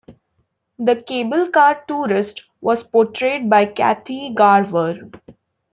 The Cable car tourist was portrayed by Kathy Garver.